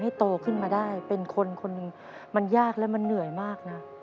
ให้โตขึ้นมาได้เป็นคนมันยากและมันเหนื่อยมากนะ